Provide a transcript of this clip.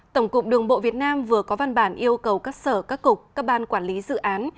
tổng cục đường bộ việt nam vừa có văn bản yêu cầu các sở các cục các ban quản lý dự án